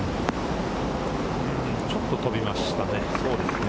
ちょっと飛びましたね。